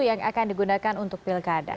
yang akan digunakan untuk pilkada